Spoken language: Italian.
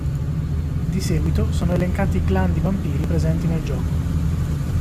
Di seguito sono elencati i clan di vampiri presenti nel gioco.